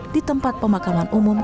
di tempat pemakaman umum